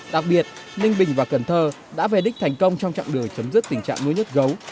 đặc biệt ninh bình và cần thơ đã về đích thành công trong chặng đường chấm dứt tình trạng nuôi nhốt gấu